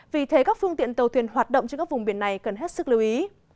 vì thế các phương tiện tàu thuyền hoạt động trên các vùng biển này cần hết sức lưu ý